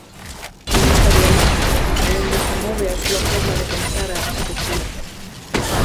Nesta dialéctica é onde se move a súa forma de pensar a arquitectura.